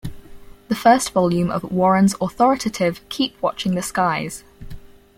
The first volume of Warren's authoritative Keep Watching the Skies!